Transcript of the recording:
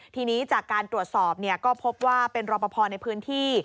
ทีนี้จากการตรวจสอบก็พบว่าเป็นรอปภในพื้นที่